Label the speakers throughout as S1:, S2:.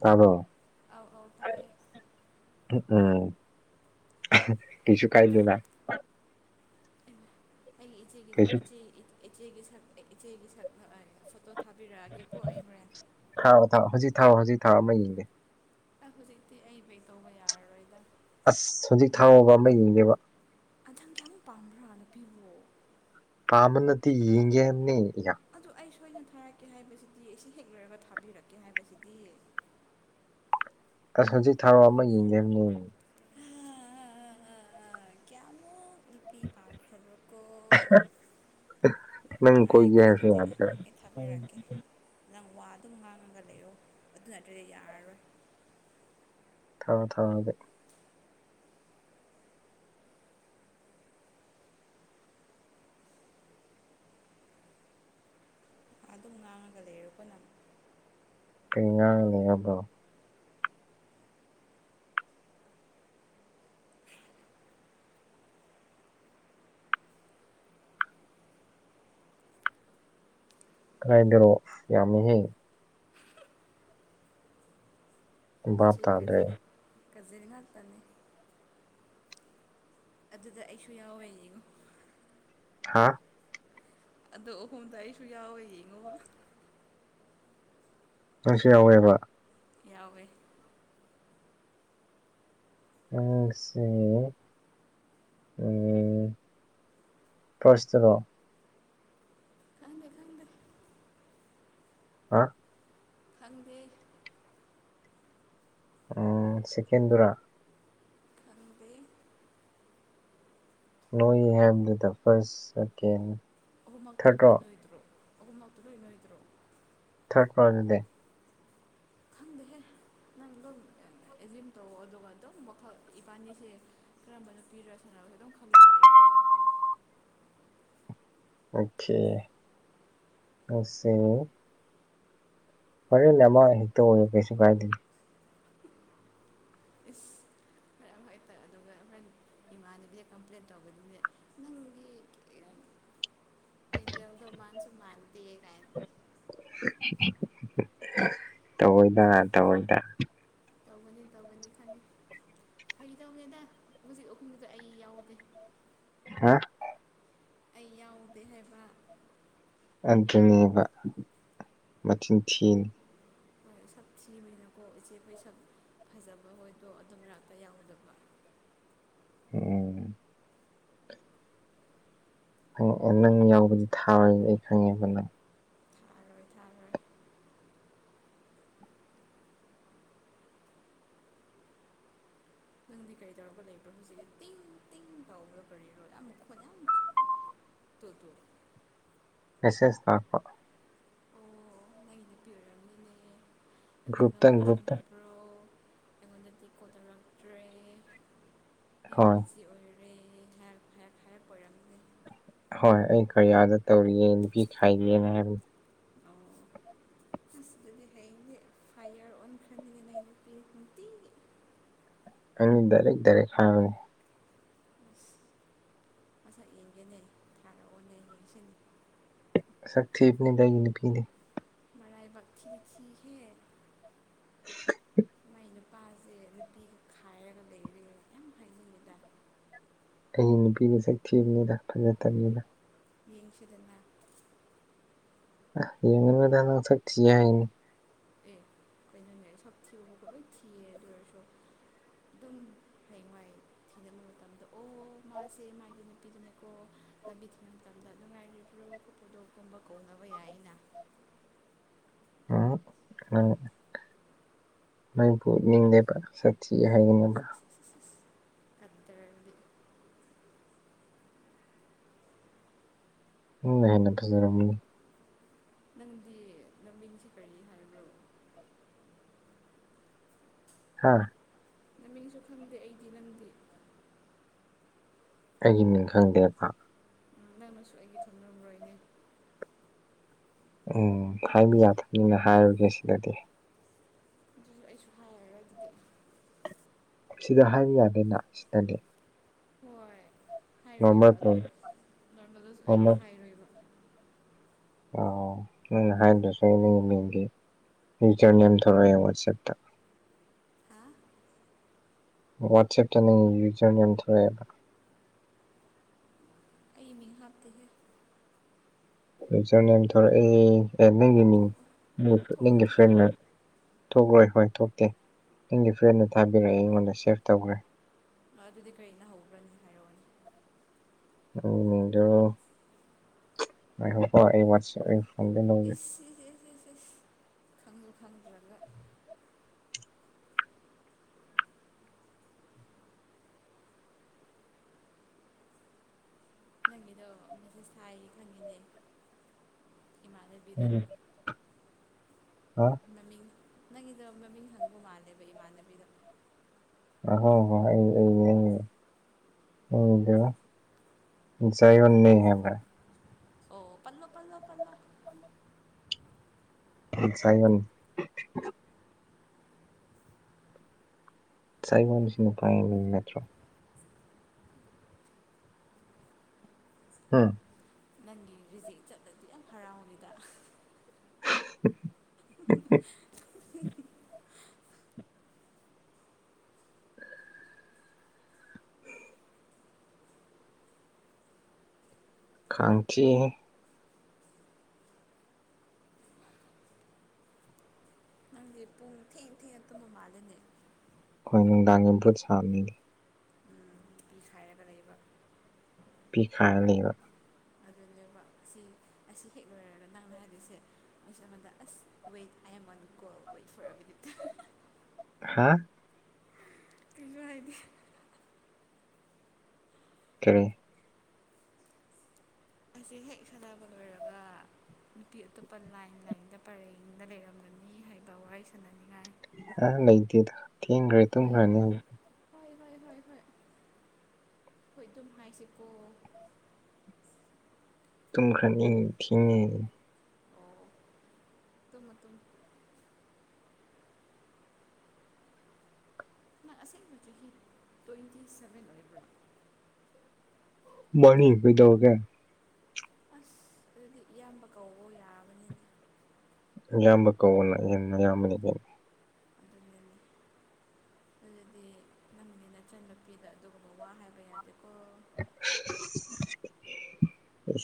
S1: [inaudible] ꯇꯥꯕꯣꯔ
S2: ꯑꯥꯎ ꯑꯥꯎ ꯇꯥꯏꯌꯦ
S1: ꯎꯝ ꯀꯁꯨ ꯀꯥꯏꯗꯅ
S2: ꯑꯩꯒꯤ ꯏꯆꯦꯒꯤ
S1: ꯀꯩꯁꯨ
S2: ꯏꯆꯦ ꯏꯆꯦꯒꯤ ꯁꯛ ꯏꯆꯦꯒꯤ ꯁꯛꯄ ꯑꯩ ꯐꯣꯇꯣ ꯊꯥꯕꯤꯔꯛꯑꯒꯦꯀꯣ ꯑꯩ ꯍꯣꯔꯦꯟ꯫
S1: ꯊꯥꯎꯑꯣ ꯊꯥꯎꯑꯣ ꯍꯧꯖꯤꯛ ꯊꯥꯎꯑꯣ ꯍꯧꯖꯤꯛ ꯊꯥꯎ ꯑꯃ ꯌꯦꯡꯗꯦ꯫
S2: ꯑ ꯍꯧꯖꯤꯛꯇꯤ ꯑꯩꯕꯦꯛ ꯇꯧꯕ ꯌꯥꯔꯔꯣꯏꯗ꯫
S1: ꯑꯁ ꯍꯧꯖꯤꯛ ꯊꯥꯡꯉꯕ ꯑꯃ ꯌꯦꯡꯉꯦꯕ
S2: ꯑꯗꯨ ꯌꯥꯝ ꯄꯥꯝꯕ꯭ꯔꯥ ꯅꯨꯄꯤꯕꯨ
S1: ꯄꯥꯝꯕ ꯅꯠꯇꯦ ꯌꯦꯡꯒꯦ ꯍꯥꯏꯕꯅꯦ ꯏꯌꯥ꯫
S2: ꯑꯗꯨꯗ ꯑꯩ ꯁꯣꯏꯅ ꯊꯥꯔꯛꯀꯦ ꯍꯥꯏꯕꯁꯤꯗꯤ ꯑꯩꯁꯤ ꯍꯦꯛ ꯂꯣꯏꯔꯒ ꯊꯥꯕꯤꯔꯛꯀꯦ ꯍꯥꯏꯕꯁꯤꯗꯤ꯫
S1: ꯑꯁ ꯍꯧꯖꯤꯛ ꯊꯥꯎꯔꯣ ꯑꯃ ꯌꯦꯡꯉꯦ ꯍꯥꯏꯕꯅꯦ
S2: [unintelligible] ꯀꯌꯥꯃꯣ ꯅꯨꯄꯤ ꯐꯕꯀꯣ
S1: ꯅꯪ
S2: ꯉꯥꯏ
S1: ꯀꯣꯏꯒꯦ ꯍꯥꯏꯔꯁꯨ
S2: ꯈꯣꯗꯗꯤ
S1: ꯌꯥꯗ꯭ꯔꯦ
S2: ꯊꯥꯕꯤꯔꯛꯀꯦ ꯅꯪ ꯋꯥ ꯑꯗꯨꯝ ꯉꯥꯡꯉꯒ ꯂꯩꯌꯣ ꯑꯗꯨ ꯅ ꯑꯗꯨꯗꯤ ꯌꯥꯔꯔꯣꯏ꯫
S1: ꯊꯥꯔꯣ ꯊꯥꯔꯣ ꯑꯗꯨꯗꯤ
S2: ꯑꯗꯨꯝ ꯉꯥꯡꯉꯒ ꯂꯩꯔꯣꯀꯣ ꯅꯪ
S1: ꯀ ꯉꯥꯡꯅꯤ ꯑꯗꯣ ꯀꯗꯥꯥꯏꯗꯔꯣꯑꯣ ꯑꯁ ꯌꯥꯝꯃꯦꯍꯦ ꯚꯥꯞ
S2: ꯆꯦ
S1: ꯇꯥꯗ꯭ꯔꯦ
S2: ꯀꯖꯟ ꯀꯖꯟ ꯉꯥꯛ ꯇꯝꯅꯤ ꯑꯗꯨꯗ ꯑꯩꯁꯨ ꯌꯥꯎꯋꯦ ꯌꯦꯡꯉꯣ
S1: ꯍꯥꯥ
S2: ꯑꯗꯣ ꯑꯍꯨꯝꯗ ꯑꯩꯁꯨ ꯌꯥꯎꯋꯦ ꯌꯦꯡꯉꯣꯕ
S1: ꯅꯪꯁꯨ ꯌꯥꯎꯋꯦꯕ
S2: ꯌꯥꯎꯋꯦ
S1: ꯎꯁꯤ ꯎꯝ ꯄꯁꯤꯇꯗꯣ
S2: ꯈꯪꯗꯦ ꯈꯪꯗꯦ
S1: ꯍꯥ
S2: ꯈꯪꯗꯦ
S1: ꯁꯦꯀꯦꯟꯗꯨꯔꯥ
S2: [unintelligible]
S1: ꯅꯣꯏ ꯌꯥꯝꯅ ꯗ ꯐꯔꯁ ꯑꯀꯦꯟ
S2: ꯍꯧꯒꯨꯝꯝꯃꯛꯇꯗꯣ ꯏꯅꯣꯗꯣ ꯑꯣꯒꯨꯝꯝꯃꯛꯇꯗꯣ ꯏꯅꯣꯗꯣ
S1: ꯊꯔꯠ ꯄ꯭ꯔꯣꯖꯗꯦ
S2: ꯈꯪꯗꯦ ꯍꯦ ꯅꯪꯗꯣ ꯑꯦꯖꯤꯝ ꯇꯧꯑꯣ ꯑꯗꯨꯒ ꯃꯈꯥ ꯏꯄꯥ ꯅꯤꯁꯦ ꯀꯔꯝꯕ ꯅꯨꯄꯤꯔ ꯁꯥꯟꯅꯔ ꯑꯗꯨꯝ ꯈꯪꯂꯒ ꯂꯩꯔꯒ ꯗꯨꯗ
S1: ꯑꯣꯀꯦ ꯑꯣꯁꯦ ꯐꯣꯔꯦꯟ ꯅꯃ ꯍꯦꯛꯇ ꯑꯣꯏꯔꯦ ꯀꯩꯁꯨ ꯀꯥꯏꯗꯦ
S2: ꯍꯇꯥ ꯑꯗꯨꯒ ꯍꯥꯏꯗꯤ ꯃꯅꯕꯤ ꯀꯝꯄ꯭ꯂꯦꯟꯠ ꯇꯧꯕꯗ꯭ꯔꯦ ꯅꯪꯒꯤ ꯀꯖꯦꯜꯗꯣ ꯃꯥꯟꯁꯨ ꯃꯥꯥꯟꯇꯦ ꯀꯥꯏ
S1: ꯇꯑꯣꯏꯗ ꯇꯑꯣꯏꯗ
S2: ꯇꯧꯒꯅꯤ ꯇꯧꯒꯅꯤ ꯈꯜꯂꯤ ꯐꯒꯤ ꯇꯧꯅꯦꯗ ꯍꯧꯖꯤꯛ ꯑꯍꯨꯝꯗꯨꯗ ꯑꯩ ꯌꯥꯎꯗꯦ
S1: ꯍꯥ
S2: ꯑꯩ ꯌꯥꯎꯗꯦ ꯍꯥꯏꯕ
S1: ꯑꯗꯨꯅꯦꯕ ꯃꯆꯤꯟ ꯊꯤ
S2: ꯁꯛ ꯊꯤꯕꯅꯤꯀꯣ ꯏꯆꯦꯈꯣꯏ ꯁꯛ ꯐꯖꯕ ꯍꯣꯏꯗꯣ ꯑꯗꯨꯝ ꯃꯔꯛꯇ ꯌꯥꯎꯗꯕ
S1: ꯑꯣꯑꯣꯝ ꯪꯦ ꯅꯪ ꯌꯥꯎꯕꯗꯤ ꯊꯥꯔꯣꯏ ꯑꯩ ꯈꯪꯉꯦꯕꯅ
S2: ꯍꯣꯏ ꯊꯥꯒꯔꯦ ꯅꯪꯗꯤ ꯀꯔꯤ ꯇꯧꯔꯒ ꯂꯩꯕ꯭ꯔꯣ ꯍꯧꯖꯤꯛ ꯇꯤꯡ ꯇꯤꯡ ꯇꯥꯎꯕ꯭ꯔ ꯀꯔꯤꯔꯣ ꯌꯥꯝ ꯃꯈꯣꯟ ꯌꯥꯝ ꯊ ꯇꯜ ꯇꯨꯔ
S1: ꯃꯦꯁꯦꯖ ꯇꯥꯛꯄ
S2: ꯩꯅ ꯄꯤꯦ
S1: ꯒ꯭ꯔꯨꯞꯇ
S2: ꯑꯣ
S1: ꯒ꯭ꯔꯨꯞꯇ
S2: ꯭ꯔꯣ ꯑꯩꯉꯣꯟꯗꯗꯤ ꯀꯣ ꯇꯧꯔꯛꯇ꯭ꯔꯦ ꯌꯥꯝ
S1: ꯍꯣꯏ
S2: ꯕꯤꯖꯤ ꯑꯣꯏꯔ ꯑꯩ [unintelligible] ꯑꯣꯏꯔꯝꯅꯤ
S1: ꯍꯣꯏ ꯑꯩ ꯀꯔꯤꯌꯥꯗ ꯇꯧꯔꯤꯌꯦ ꯅꯨꯄꯤ ꯈꯥꯏꯒꯦꯅ ꯍꯥꯏꯕꯅꯤ
S2: ꯑꯐ ꯇꯗꯤ ꯍꯌꯦꯡꯁꯦ ꯐꯥꯏꯌꯥꯔ ꯑꯣꯟꯈ꯭ꯔꯅꯤꯗꯅ ꯑ ꯅꯨ ꯄ ꯅꯨꯡꯇꯤꯒꯤ
S1: ꯑꯩꯅ ꯗꯥꯏꯔꯦꯛ ꯗꯥꯏꯔꯦꯛ ꯍꯥꯡꯕꯅꯤ
S2: ꯑꯁ ꯃꯁꯛ ꯌꯦꯡꯒꯦꯅꯦ ꯊꯥꯔꯛꯑꯣꯅꯦ ꯁꯤꯟ
S1: ꯛ ꯊꯤꯄꯅꯤꯗꯅꯤꯄꯤꯤꯅꯤ
S2: ꯃꯔꯥ ꯀ ꯊꯛ ꯍ
S1: [unintelligible]
S2: ꯃꯥꯏ ꯅꯨꯄꯥꯥꯁꯦ ꯔꯨꯇꯤ ꯈꯥꯏꯒ ꯂꯩꯗ
S1: ꯑꯩꯒꯤ ꯅꯨꯄꯤꯅꯁꯛ ꯊꯤꯕꯅꯤꯅ ꯐꯖꯅ ꯇꯕꯅꯤꯅ
S2: ꯌꯦꯡꯁꯦꯗꯅ
S1: ꯌꯦꯡꯉꯅꯗ ꯅꯥꯡ ꯆꯛ ꯊꯤ ꯌꯥ ꯍꯥꯏꯅꯤ
S2: ꯑꯦ ꯀꯩꯅꯅꯃꯦ ꯁꯕ ꯊꯤꯌꯕꯕ ꯈꯣꯏ ꯊꯤꯌꯦ ꯑꯗꯨ ꯑꯣꯏꯔꯁꯨ ꯑꯗꯨꯝ ꯊꯥꯏꯉꯥꯏ ꯊꯤꯕ ꯃꯇꯝꯗ ꯑꯣ ꯃꯥꯁꯦ ꯃꯥꯒꯤ ꯅꯨꯄꯤꯗꯨꯅꯦꯀꯣ ꯂꯝꯕꯤ ꯊꯤꯡꯕ ꯃꯇꯝꯗ ꯅꯨꯡꯉꯥꯏꯔꯤꯕ꯭ꯔꯣ ꯐꯣꯗꯣꯀꯨꯝꯕ ꯀꯧꯅꯕ ꯌꯥꯏ ꯑꯩꯅ
S1: ꯎꯝ ꯑ ꯅꯣꯏꯕꯨ ꯅꯤꯡꯗꯕ ꯁꯥꯊꯤ ꯍꯥꯏꯒꯅꯕ
S2: ꯐꯠꯇ
S1: ꯎꯝ ꯍꯦꯟꯅ ꯐꯖꯔꯝꯅꯤ
S2: ꯅꯪꯗꯤ ꯅꯃꯤꯡꯁꯨ ꯀꯔꯤ ꯍꯥꯏꯔꯕ꯭ꯔꯣ
S1: ꯍꯥꯥ
S2: ꯅꯃꯤꯡꯁꯨ ꯈꯪꯗꯦ ꯑꯩꯗꯤ ꯅꯪꯒꯤ
S1: ꯑꯩꯒꯤ ꯃꯤꯡ ꯈꯪꯗꯦꯕ
S2: ꯅꯪꯅꯁꯨ ꯑꯩꯒꯤ ꯊꯣꯟꯅꯃ꯭ꯔꯣꯏꯅꯦ
S1: ꯎꯝ ꯍꯥꯏꯕ ꯌꯥꯗꯕꯅꯤꯅ ꯍꯥꯏꯔꯨꯒꯦ ꯁꯤꯗꯗꯤ
S2: ꯀꯩꯁꯨ ꯍꯥꯏꯔꯔꯣꯏꯒꯦ
S1: ꯁꯤꯗ ꯍꯥꯏꯕ ꯌꯥꯗꯦꯅ ꯁꯤꯇꯅꯦ
S2: ꯍꯣꯏ ꯍꯥꯏꯔꯣꯏꯕ
S1: ꯅꯣꯔꯃꯦꯜ
S2: ꯑꯗꯣ
S1: ꯀꯣꯜ
S2: ꯅꯣꯔꯃꯦꯜꯗꯁꯨ ꯑꯩꯗꯤ
S1: ꯅꯣꯔꯃꯦꯜ
S2: ꯍꯥꯏꯔꯣꯏꯕ
S1: ꯑ ꯅꯪꯅ ꯍꯥꯏꯗꯨꯁꯨ ꯅꯪꯒꯤ ꯃꯤꯡꯒꯤ ꯐꯆꯔꯅꯤ ꯑꯃ ꯊꯣꯛꯂꯛꯑꯦ ꯋꯥꯆꯦꯞꯇ
S2: ꯍꯥ
S1: ꯋꯥꯆꯦꯞꯇ ꯅꯪ ꯌꯨꯖꯔ ꯅꯦꯝ ꯊꯣꯛꯑꯦꯕ
S2: ꯀꯩ ꯃꯤ ꯍꯥꯗꯍ
S1: ꯖ ꯅ ꯊꯣꯛꯣꯔꯛꯏ ꯑꯦ ꯅꯪꯒꯤ ꯃꯤ
S2: ꯊꯣꯛ ꯊꯣꯛꯂꯣꯏ
S1: ꯅꯒꯤ
S2: ꯊꯣꯛꯂꯣꯏ
S1: ꯐ꯭ꯔꯦꯟꯟꯅ ꯊꯣꯛꯂꯣꯏ ꯍꯣꯏ ꯊꯣꯛꯇꯦ ꯅꯪꯒꯤ ꯐ꯭ꯔꯦꯟꯅ ꯊꯥꯕꯤꯔꯛꯑꯦ ꯑꯩꯉꯣꯟꯗ ꯁꯦꯐ ꯇꯧꯈ꯭ꯔꯦ
S2: ꯑ ꯑꯗꯨꯗꯤ ꯀꯔꯤꯅ ꯍꯧꯕ꯭ꯔꯅꯦ ꯍꯥꯏ
S1: ꯎꯝꯗ ꯉꯥꯏꯈꯣꯀꯣ ꯑꯩ ꯋꯥꯁ ꯏꯐ
S2: ꯏꯁꯁꯤꯖꯤꯁꯤꯖ ꯈꯪꯁꯨ ꯈꯪꯗ꯭ꯔꯒ ꯅꯪꯒꯤꯗꯣ ꯃꯁꯥꯏ ꯈꯪꯉꯤꯅꯦ
S1: ꯎꯝ
S2: ꯏꯃꯥꯟꯅꯕꯤꯗ
S1: ꯑꯣ
S2: ꯅꯃꯤꯡ ꯅꯪꯒꯤꯗꯣ ꯃꯃꯤꯡ ꯍꯪꯕ ꯃꯥꯜꯂꯦꯕ ꯏꯃꯥꯟꯅꯕꯤꯗꯣ
S1: ꯑ ꯍꯣ ꯍ ꯑꯩ ꯕꯤꯣ ꯆꯥꯏꯌꯟ ꯅ
S2: ꯑꯣ ꯄꯜꯂꯣ ꯄꯜꯂꯣ ꯄꯜꯂꯣ
S1: ꯁꯥꯏꯒꯣꯟ ꯆꯥꯏꯕ ꯅꯤꯡꯁꯤꯅ ꯄꯥꯏꯃꯤ ꯅꯠꯇ꯭ꯔꯣ ꯍꯥꯝ
S2: ꯅꯪꯒꯤ ꯔꯤꯖꯦꯛ ꯆꯠꯂꯗꯤ ꯌꯥꯝ ꯍꯔꯥꯎꯅꯤꯗ
S1: ꯍꯍ [unintelligible]
S2: [unintelligible]
S1: ꯈꯥꯡꯊꯤꯡ
S2: ꯅꯪꯗꯤ ꯄꯨꯡ ꯊꯦꯡ ꯊꯦꯡꯅ ꯇꯨꯝꯕ ꯃꯥꯜꯂꯦꯅꯦ
S1: ꯑꯩꯈꯣꯏ ꯅꯨꯡꯗꯥꯡꯒꯤꯐꯨꯠ ꯁꯥꯕꯅꯤꯅꯦ
S2: ꯎꯝ ꯅꯨꯄꯤ ꯁꯥꯏꯔꯒ ꯂꯩꯕ
S1: ꯄꯤꯈ꯭ꯔꯥꯅꯦꯕ
S2: ꯑꯗꯨꯅꯦꯕ ꯑꯁꯤ ꯑꯁꯤ ꯍꯦꯛ ꯂꯣꯏꯔꯒ ꯅꯪꯅ ꯍꯥꯏꯗꯣꯏꯁꯦ ꯑꯩꯁ ꯑꯃꯟꯗ ꯑꯁ wait I am on call wait for a ꯕꯤꯠꯇ
S1: ꯍꯥ
S2: ꯀꯁꯨ ꯍꯥꯏꯗꯤ
S1: ꯀ
S2: ꯑꯁꯤ ꯍꯦꯛ ꯁꯥꯟꯅꯕ ꯂꯣꯏꯔꯒ ꯅꯨꯄꯤ ꯑꯇꯣꯞꯄ ꯂꯥꯏꯟ ꯂꯥꯏꯟꯗ ꯄꯔꯦꯡꯡꯗ ꯂꯩꯔꯝꯂꯅꯤ ꯍꯥꯏꯕ ꯋꯥꯔꯤ ꯁꯥꯟꯅꯅꯤꯡꯉꯥꯏ
S1: ꯑ ꯂꯩꯇꯦꯗ ꯊꯦꯡꯈ꯭ꯔꯦ ꯇꯨꯝꯈ꯭ꯔꯅꯤ
S2: ꯍ ꯍ ꯍ ꯍ ꯑꯩꯈꯣꯏ ꯑꯗꯨꯝ ꯍꯥꯏꯁꯤꯀꯣ
S1: ꯇꯨꯝꯈ꯭ꯔꯅꯤ ꯊꯤꯡꯉꯦ
S2: ꯃꯇꯝꯨꯝ ꯅ ꯑꯁꯦꯡꯕꯆꯀꯤ ꯇ꯭ꯋꯦꯟꯇꯤ ꯁꯕꯦꯟ ꯑꯣꯏꯕ꯭ꯔꯣ
S1: ꯃꯅꯤ ꯐꯣꯏꯗꯧ ꯀꯦ
S2: ꯑꯁ ꯑꯗꯨꯗꯤ ꯏꯌꯥꯝꯕ ꯀꯧꯕ ꯌꯥꯕꯅꯤ
S1: ꯏꯌꯥꯝꯕ ꯀꯅ ꯍꯦꯟꯅ ꯑꯌꯥꯝꯕꯅꯤ
S2: ꯎ ꯑꯗꯨꯗꯤ ꯅꯅꯅꯤ ꯅꯆꯟ ꯅꯨꯄꯤꯗ ꯑꯗꯨꯒꯨꯝꯕ ꯋꯥ ꯍꯥꯏꯕ ꯌꯥꯗꯦꯀꯣ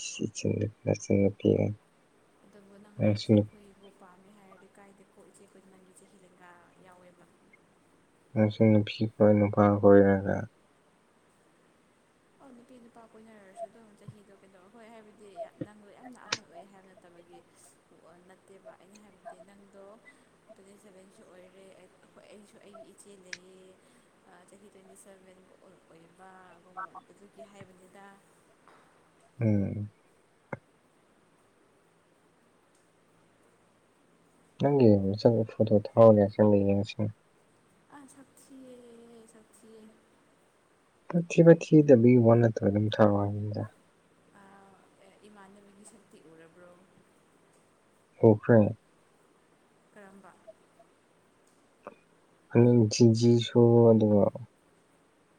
S1: ꯆ ꯆꯅ ꯄ
S2: ꯑꯗꯨꯕꯨ ꯅꯪꯅ ꯏꯆꯦꯈꯣꯏꯕꯨ ꯄꯥꯝꯃꯦ ꯍꯥꯏꯔꯗꯤ ꯀꯥꯏꯗꯦꯀꯣ ꯏꯆꯦ ꯑꯩꯈꯣꯏꯅ ꯅꯪꯒꯤ ꯆꯍꯤꯗꯀ ꯌꯥꯎꯋꯦꯕ
S1: ꯉ ꯅꯨꯄꯤ ꯅꯨꯄꯥ ꯀꯣꯏꯔꯒ
S2: ꯑꯣ ꯅꯨꯄꯤ ꯅꯨꯄꯥ ꯀꯣꯏꯅꯔꯁꯨ ꯑꯗꯨꯝ ꯆꯍꯤꯗꯣ ꯀꯩꯗꯧꯕ ꯍꯣꯏ ꯍꯥꯏꯕꯗꯤ ꯅꯪꯗꯣ ꯌꯥꯝꯅ ꯑꯍꯜ ꯑꯣꯏꯑꯦ ꯍꯥꯏꯅꯣ ꯇꯕꯒꯤ ꯅꯠꯇꯦꯕ ꯑꯩꯅ ꯍꯥꯏꯕꯗꯤ ꯅꯪꯗꯣ ꯇ꯭ꯋꯇꯤ ꯁꯚꯦꯟꯁꯨ ꯑꯣꯏꯔꯦ ꯑꯩꯈꯣꯏ ꯑꯩꯁꯨ ꯑꯩꯒꯤ ꯏꯆꯦ ꯂꯩꯌꯦ ꯆꯍꯤ ꯇ꯭ꯋꯦꯟꯇꯤ ꯁꯚꯦꯟ ꯑꯣꯏꯕ ꯑꯗꯨꯒꯤ ꯍꯥꯏꯕꯅꯤꯅ
S1: ꯎꯝ ꯅꯪꯒꯤ ꯃꯆꯪ ꯐꯣꯇꯣ ꯊꯥꯎꯅꯦ ꯑꯁꯦꯡꯕ ꯌꯦꯡꯅꯁꯤꯅꯦ
S2: ꯑ ꯁꯛ ꯎꯆꯦ ꯁꯛ ꯎꯆ
S1: ꯄꯊꯤꯕ ꯊꯤꯗꯕꯒꯤ ꯋꯥ ꯅꯠꯇꯕ ꯑꯗꯨꯝ ꯁꯥꯔ ꯍꯥꯏꯗ
S2: ꯏꯃꯥꯟꯅꯕꯤꯒꯤ ꯁꯛꯇꯤ ꯎꯔꯕ꯭ꯔꯣ
S1: ꯎꯈ꯭ꯔꯦ
S2: ꯀꯔꯝꯕ
S1: ꯖꯤꯖꯤꯁꯨ ꯑꯗꯨꯒ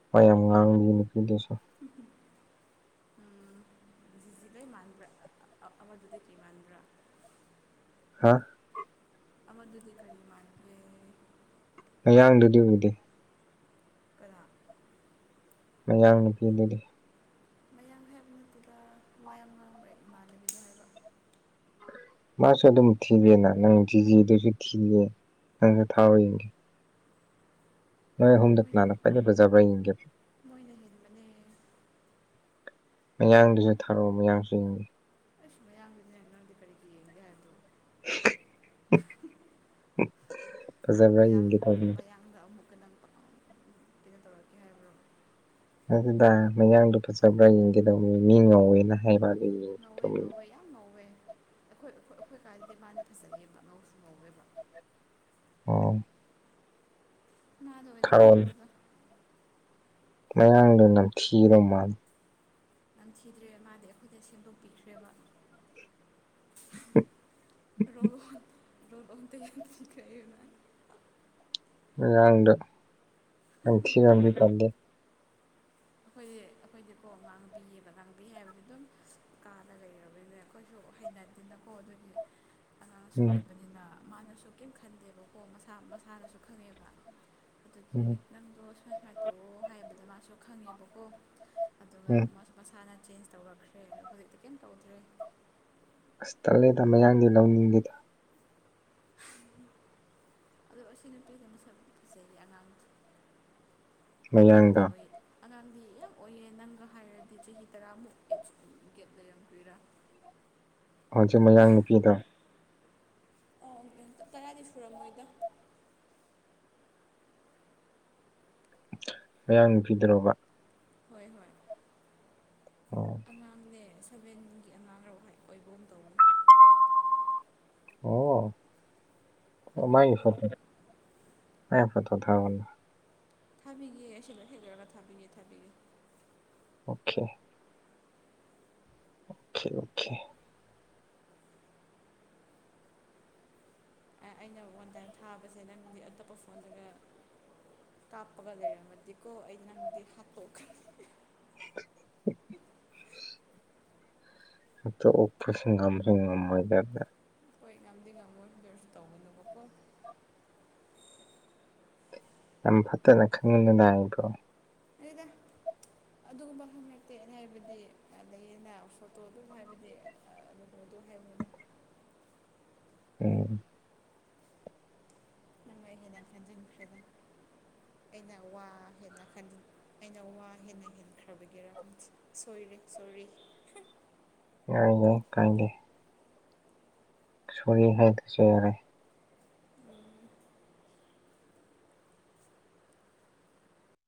S1: ꯃ ꯌꯥꯝ ꯉꯥꯡꯕꯤ ꯅꯨꯄꯤꯗꯨꯁꯨ [unintelligible]
S2: ꯗꯨ ꯂꯩ ꯃꯥ꯭ꯔ ꯑꯃꯗꯨꯗ ꯀꯈꯤ ꯃꯥꯥꯟꯒ꯭ꯔ
S1: ꯍꯥ
S2: ꯃꯗꯨꯗꯤ ꯀꯃꯤ ꯃꯇ꯭ꯔꯦ
S1: ꯃꯌꯥꯡꯗꯨꯗꯤ ꯎꯗꯦ
S2: ꯈꯔꯥ
S1: ꯃꯌꯥꯡ ꯅꯨꯄꯤꯗꯨꯗꯤ
S2: ꯃꯌꯥꯝ ꯍꯦꯛꯗꯨꯗ ꯃꯌꯥꯝ ꯉ ꯏꯃꯥꯟꯅꯕꯤꯗ ꯍꯥꯏꯕ
S1: ꯃꯥꯁꯨ ꯑꯗꯨꯝ ꯊꯤꯔꯅ ꯅꯪ ꯗꯤꯖꯤꯗꯨꯁꯨ ꯊꯤꯜꯂꯤ ꯅꯪꯁꯨ ꯊꯥꯎꯑꯣꯏꯦ ꯅꯣꯏ ꯑꯍꯨꯝꯗꯣ
S2: ꯃꯣꯏ
S1: ꯀꯅꯥꯅ ꯈ꯭ꯋꯏꯗꯒꯤ ꯐꯖꯕ꯭ꯔꯥ ꯌꯦꯡꯒꯦ
S2: ꯃꯣꯏꯅ ꯍꯦꯅꯦ
S1: ꯃꯌꯥꯡꯗꯨꯁꯨ ꯊꯥꯔꯛꯑꯣ ꯃꯌꯥꯡꯁꯨ ꯌꯦꯡꯒꯦ
S2: ꯃꯌꯥꯡꯗꯨꯗꯤꯅꯦ ꯅꯪꯗꯤ ꯀꯔꯤꯒꯤ ꯌꯦꯡꯕ꯭ꯔꯥꯍꯕ
S1: [unintelligible] ꯐꯖꯕ꯭ꯔꯥ
S2: ꯃꯌꯥ
S1: ꯌꯦꯡꯒꯦ ꯇꯧꯕꯅꯤ
S2: ꯃꯌꯥꯡꯗ ꯑꯃꯨꯛꯀ ꯅꯪ ꯀꯩꯅꯣ ꯇꯧꯔꯛꯀꯦ ꯍꯥꯏꯕ꯭ꯔꯣ
S1: ꯑꯗꯨꯗ ꯃꯌꯥꯡꯗꯨꯣ ꯐꯖꯕ꯭ꯔꯥ ꯌꯦꯡꯒꯗꯧꯅꯤ ꯃꯤ ꯉꯧꯋꯦꯅ ꯍꯥꯏꯕ ꯌꯦꯡꯒꯦ
S2: ꯉꯧꯋꯦ
S1: ꯇꯧꯕꯅꯤ
S2: ꯉꯧꯋꯦ ꯌꯥꯝ ꯉꯧꯋꯦ ꯑꯈꯣꯏ ꯑꯈꯣꯏ ꯑꯩꯈꯣꯏ ꯀꯥꯏꯗꯗꯤ ꯃꯥꯅ ꯐꯖꯩꯑꯕ ꯉꯧꯁꯨ ꯉꯧꯋꯦꯕ
S1: ꯑ
S2: ꯉꯅꯥꯗ ꯑꯣꯏ ꯑꯣꯏꯅ
S1: ꯊꯥꯔꯛꯑꯣꯅꯦ
S2: ꯉꯧꯔꯒ
S1: ꯃꯌꯥꯡꯗꯣ ꯅꯝꯊꯤꯕ ꯃꯥꯜꯂꯤ
S2: ꯉꯝꯈꯤꯗ꯭ꯔꯦ ꯃꯥꯗꯤ ꯑꯩꯈꯣꯏꯗ ꯁꯦꯝꯗꯣꯛꯄꯤꯈ꯭ꯔꯦꯕ
S1: ꯎ
S2: ꯔꯣ ꯔꯣꯂꯟ ꯇꯊꯤ ꯀꯩꯅ
S1: ꯉꯔꯥꯡꯗꯣ ꯅꯪ ꯊꯤ ꯕꯗꯤ ꯐꯪꯗꯦ
S2: ꯑꯈꯣꯏꯗꯤ ꯑꯈꯣꯏꯗꯤꯀꯣ ꯉꯥꯡꯕꯤꯌꯦꯕ ꯉꯥꯡꯕꯤ ꯍꯥꯏꯕ ꯑꯗꯨꯝ ꯀꯥꯗ ꯂꯩꯔꯕꯁꯦ ꯑꯩꯈꯣꯏꯁꯨ ꯍꯩꯅꯗꯅꯀꯣ ꯑꯗꯨꯒꯤ ꯑꯉꯥꯡꯁꯨ
S1: ꯎꯝ
S2: ꯑꯣꯏꯕꯅꯤꯅ ꯃꯥꯅꯁꯨ ꯀꯔꯤꯝ ꯈꯟꯗꯦꯕꯀꯣ ꯃꯁꯥ ꯃꯁꯥꯅꯁꯨ ꯈꯪꯉꯦꯕ ꯑꯗꯨꯗꯤ
S1: ꯎꯝ
S2: ꯅꯪꯗꯣ ꯁꯨꯃꯥꯏ ꯁꯨꯃꯥꯏꯅ ꯇꯧꯑꯣ ꯍꯥꯏꯕꯗꯣ ꯃꯥꯁꯨ ꯈꯪꯉꯦꯕꯀꯣ ꯑꯗꯨꯒ
S1: ꯎꯝ
S2: ꯃꯁꯥꯅ ꯆꯦꯟꯖ ꯇꯧꯔꯛꯈ꯭ꯔꯦ ꯑꯗ ꯍꯧꯖꯤꯛꯇꯤ ꯀꯩꯝ ꯇꯧꯗ꯭ꯔꯦ
S1: ꯑꯁ ꯇꯠꯂꯦꯗ ꯃꯌꯥꯡꯗꯤ ꯂꯧꯅꯤꯡꯗꯦꯗ [inaudible]
S2: ꯑꯗꯣ ꯑꯁꯤ ꯅꯨꯄꯤꯖ ꯃꯁꯛ ꯇꯦꯟ ꯑꯉꯥꯡ ꯑꯅꯝꯗꯤ
S1: ꯃꯌꯥꯡꯗꯣ
S2: ꯑꯣꯏꯌꯦ ꯑꯉꯥꯡꯗꯤ ꯌꯥꯝ ꯑꯣꯏꯌꯦ ꯅꯪꯒ ꯍꯥꯏꯔꯗꯤ ꯆꯍꯤ ꯇꯔꯥꯃꯨꯛ ꯑꯦ ꯒꯦꯠ ꯂꯩꯔꯝꯛꯇꯣꯏꯔꯥ
S1: ꯍꯧꯖꯤꯛ ꯃꯌꯥꯡ ꯅꯨꯄꯤꯗ
S2: ꯑ [inaudible] ꯇꯔꯥꯗꯤ ꯁꯨꯔꯝꯃꯣꯏꯗꯣ
S1: ꯃꯌꯥꯡ ꯅꯨꯄꯤꯗꯔꯣꯕ
S2: ꯍꯣꯏ ꯍꯣꯏ
S1: ꯑꯣ
S2: ꯑꯉꯥꯡꯅꯦ ꯁꯕꯦꯟꯒꯤ ꯑꯉꯥꯡꯔ ꯍꯣꯏ ꯑꯣꯏꯕꯒꯨꯝ ꯇꯧꯕꯅꯤ
S1: ꯑꯣ ꯃꯥꯏ
S2: ꯑꯉꯥꯡꯅꯤꯗ
S1: [inaudible] ꯃꯥꯏ ꯐꯣꯇꯣ ꯊꯥꯔꯛꯑꯣꯅꯦ
S2: ꯊꯥꯕꯤꯒꯦ ꯁꯤꯗ ꯁꯤ ꯂꯣꯌꯔꯒ ꯊꯥꯕꯤꯒꯦ ꯊꯥꯕꯤꯒꯦ
S1: ꯑꯣꯀꯦ ꯑꯣꯀꯦ ꯑꯣꯀꯦ
S2: ꯑꯩꯅ ꯋꯥꯟꯕ ꯇꯥꯏꯝ ꯊꯥꯕꯁꯦ ꯅꯪꯗꯤ ꯑꯇꯣꯞꯄ ꯐꯣꯟꯗꯒ ꯀꯥꯞꯄꯒ ꯂꯩꯔꯝꯃꯗꯤꯀꯣ ꯑꯩꯩꯅ ꯅꯪꯗꯤ ꯍꯥꯠꯇꯣꯛ
S1: [inaudible] ꯍꯥꯠꯇꯣꯛꯎ ꯄꯁꯨ ꯉꯝꯁꯨ ꯉꯝꯃꯣꯏꯗꯕꯗ
S2: ꯍꯣꯏ ꯉꯝꯗꯤ ꯉꯝꯃꯣꯏ ꯑꯗꯨꯑꯣꯏꯔꯁꯨ ꯇꯧꯒꯅꯨꯕꯀꯣ
S1: ꯌꯥꯝ ꯐꯠꯇꯅ [unintelligible]
S2: [unintelligible] ꯑꯗꯨꯒꯨꯝꯕ ꯈꯛ ꯅꯠꯇꯦ ꯑꯩꯅ ꯍꯥꯏꯕꯗꯤ ꯑ ꯂꯩꯌꯦꯅ ꯐꯣꯇꯣꯗꯨ ꯍꯥꯏꯕꯗꯤ ꯑ [inaudible] ꯍꯥꯏꯕꯅꯦ
S1: ꯎꯝ
S2: ꯅꯪꯅ ꯍꯦꯟꯅ ꯈꯟꯖꯤꯟꯈ꯭ꯔꯦꯗ ꯑꯩꯅ ꯋꯥ ꯍꯦꯟꯅ ꯈꯟꯖ ꯑꯩꯅ ꯋꯥ ꯍꯦꯟꯅ ꯍꯦꯟꯈ꯭ꯔꯕꯒꯤꯔ ꯁꯣꯏꯔꯦ ꯁꯣꯔꯤ
S1: ꯌꯥꯏꯌꯦ ꯀꯥꯏꯗꯦ ꯁꯣꯔꯤ ꯍꯥꯏꯗ꯭ꯔꯁꯨ ꯌꯥꯌꯦ
S2: ꯎꯝ